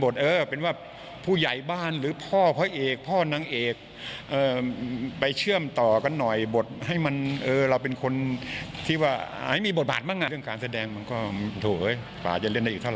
โถโฮเฮ้ยป่าจะเล่นได้อีกเท่าไหร่